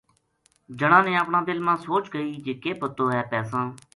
جنا نے اپنا دل ما سوچ کئی جی کے پتو ہے پیساں